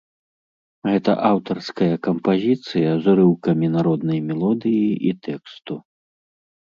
Гэта аўтарская кампазіцыя з урыўкамі народнай мелодыі і тэксту.